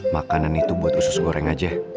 makanan itu buat usus goreng aja